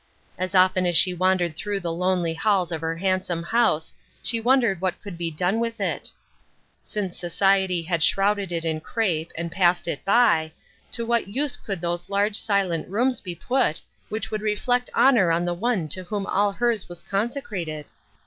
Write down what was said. As often as she wandered through the lonely halls of her hand some house she wondered what could be done with it. Since society had shrouded it in crepe and passed it by, to what use could those large silent rooms be put which would reflect honor on the One to whom all hers was consecrated